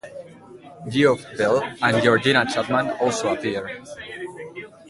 Geoff Bell and Georgina Chapman also appear.